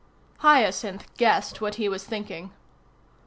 Hyacinth guessed what he was thinking.